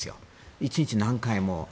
１日何回も。